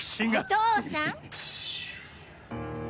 お父さん！